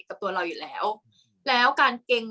กากตัวทำอะไรบ้างอยู่ตรงนี้คนเดียว